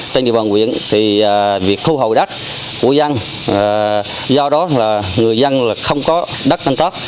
trên địa bàn huyện thì việc thu hậu đất của dân do đó là người dân không có đất nâng tóc